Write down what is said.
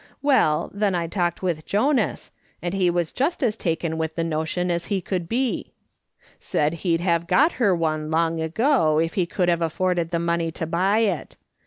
Well, then I talked with Jonas, and he was just as taken with the notion as he could be ; said he'd have got her one long ago if he could have afforded the money to buy it.